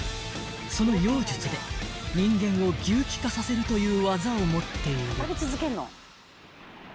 ［その妖術で人間を牛鬼化させるというワザを持っている］